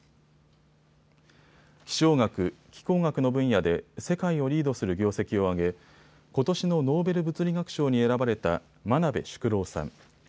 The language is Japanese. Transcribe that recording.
気象学・気候学の分野で世界をリードする業績を上げことしのノーベル物理学賞に選ばれた真鍋淑郎さん。